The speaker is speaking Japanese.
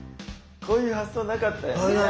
こういう発想なかったよね。